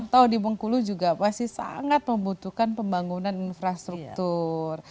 tahu di bengkulu juga pasti sangat membutuhkan pembangunan infrastruktur